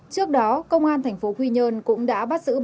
trước đó công an thành phố quy nhơn cũng đã bắt giữ